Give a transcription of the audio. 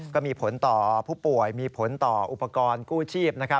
ก็มีผลต่อผู้ป่วยมีผลต่ออุปกรณ์กู้ชีพ